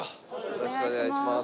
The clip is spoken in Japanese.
よろしくお願いします。